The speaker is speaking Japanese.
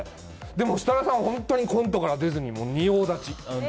でも設楽さんは本当にコントから出ずに仁王立ち。